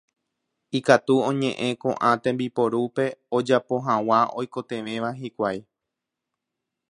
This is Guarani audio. ikatu oñe'ẽ ko'ã tembiporúpe ojapo hag̃ua oikotevẽva hikuái.